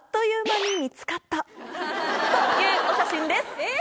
えっ？